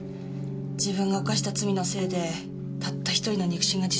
自分が犯した罪のせいでたった１人の肉親が自殺しちゃって。